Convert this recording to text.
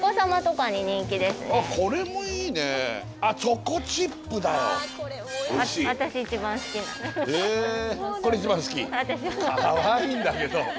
かわいいんだけど。